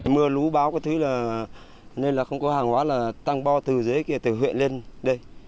mưa lú báo nên không có hàng hóa tăng bo từ dưới kia từ huyện lên đây